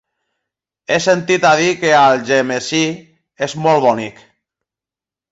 He sentit a dir que Algemesí és molt bonic.